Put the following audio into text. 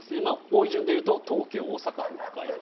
多い順でいうと東京、大阪、北海道。